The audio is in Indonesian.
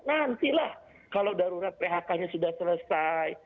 nantilah kalau darurat phk nya sudah selesai